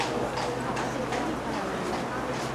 هغه د سولې پلوی و.